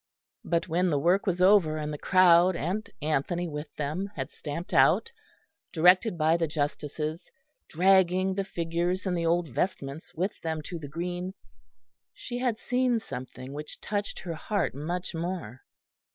But when the work was over, and the crowd and Anthony with them had stamped out, directed by the justices, dragging the figures and the old vestments with them to the green, she had seen something which touched her heart much more.